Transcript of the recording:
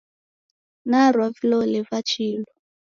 Narwa vilole va chilu.